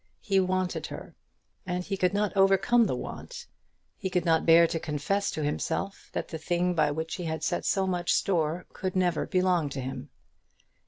He wanted her, and he could not overcome the want. He could not bear to confess to himself that the thing by which he had set so much store could never belong to him.